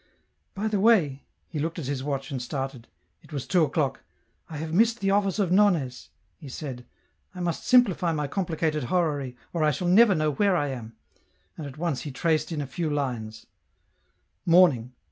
" By the way "... he looked at his watch and started ; it was two o'clock —" I have missed the office of Nones," he said ;" I must simplify my complicated horary, or I shall never know where I am ;" and at once he traced in a few lines :" Morning.